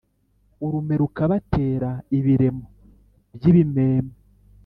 urume rukabatera ibiremo by’ibimeme